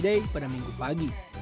tiga d pada minggu pagi